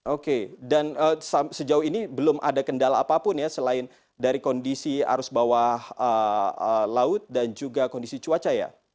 oke dan sejauh ini belum ada kendala apapun ya selain dari kondisi arus bawah laut dan juga kondisi cuaca ya